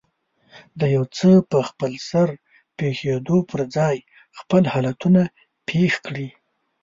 د يو څه په خپلسر پېښېدو پر ځای خپل حالتونه پېښ کړي.